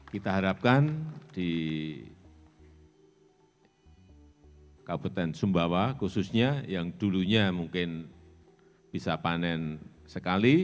kita harapkan di kabupaten sumbawa khususnya yang dulunya mungkin bisa panen sekali